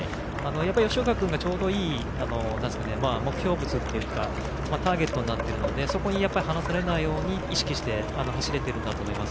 吉岡君がちょうどいい目標物というかターゲットになっているのでそこに離されないように意識して走れているんだと思います。